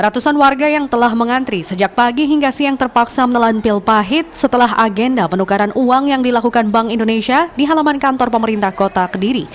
ratusan warga yang telah mengantri sejak pagi hingga siang terpaksa menelan pil pahit setelah agenda penukaran uang yang dilakukan bank indonesia di halaman kantor pemerintah kota kediri